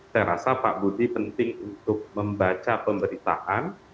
saya rasa pak budi penting untuk membaca pemberitaan